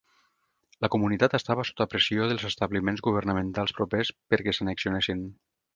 La comunitat estava sota pressió dels establiments governamentals propers perquè s'annexionessin.